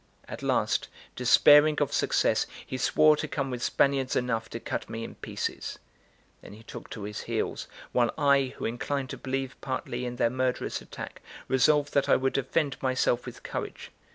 At last, despairing of success, he swore to come with Spaniards enough to cut me in pieces. Then he took to his heels; while I, who inclined to believe partly in their murderous attack, resolved that I would defend myself with courage.